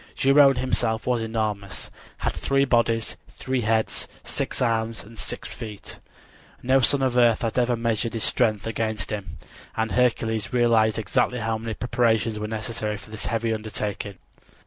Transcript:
Geryone himself was enormous, had three bodies, three heads, six arms and six feet. No son of earth had ever measured his strength against him, and Hercules realized exactly how many preparations were necessary for this heavy undertaking.